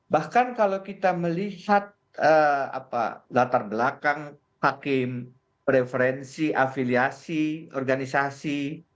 bahkan kalau kita melihat latar belakang hakim preferensi afiliasi organisasi